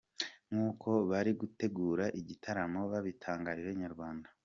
Nkuko abari gutegura iki gitaramo babitangarije Inyarwanda.